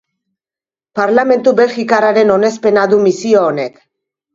Parlamentu belgikarraren onespena du misio honek.